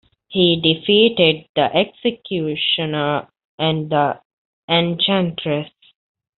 He defeated the Executioner and the Enchantress.